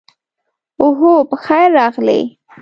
اوهو، پخیر راغلې.